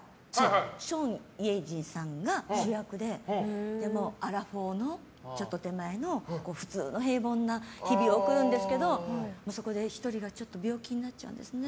ソン・イェジンさんが主役でアラフォーちょっと手前の普通の平凡な日々を送るんですけど、そこで１人が病気になっちゃうんですね。